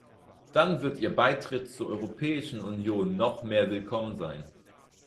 Dann wird ihr Beitritt zur Europäischen Union noch mehr willkommen sein.